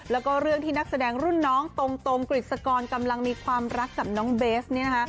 แล้วก็เรื่องที่นักแสดงรุ่นน้องตรงกฤษกรกำลังมีความรักกับน้องเบสเนี่ยนะคะ